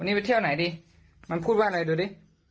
อันนี้ไปเที่ยวไหนดูกมันพูดบ้านอะไรดิ